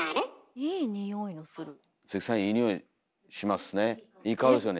いい匂いしますね。